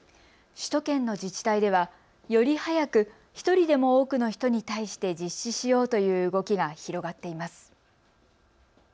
首都圏の自治体ではより早く１人でも多くの人に対して実施しようという動きが広がっています。